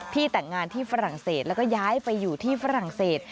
แต่งงานที่ฝรั่งเศสแล้วก็ย้ายไปอยู่ที่ฝรั่งเศส